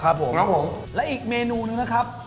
ครับผมและอีกเมนูหนึ่งนะครับ